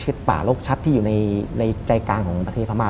เสร็จป่าโรคชัดที่อยู่ในในใจกลางของประเทศพมภาค